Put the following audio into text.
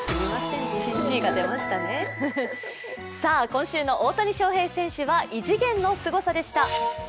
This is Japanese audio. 今週の大谷翔平選手は異次元のすごさでした。